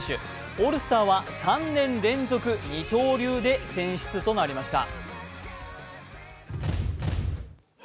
オールスターは３年連続二刀流で選出となりました。